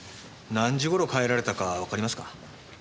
何時頃帰られたかわかりますか？